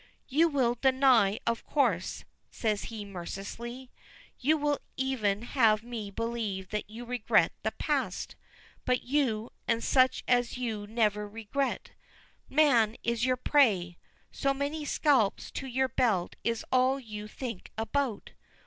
"You will deny, of course," says he mercilessly. "You would even have me believe that you regret the past but you, and such as you never regret. Man is your prey! So many scalps to your belt is all you think about.